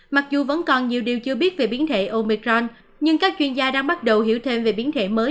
mặc dù vẫn còn nhiều điều chưa biết về biến thể omecron nhưng các chuyên gia đang bắt đầu hiểu thêm về biến thể mới